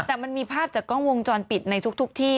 แต่มันมีภาพจากกล้องวงจรปิดในทุกที่